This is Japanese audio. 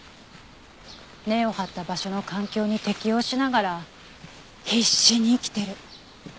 根を張った場所の環境に適応しながら必死に生きてる。